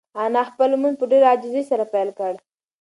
انا خپل لمونځ په ډېرې عاجزۍ سره پیل کړ.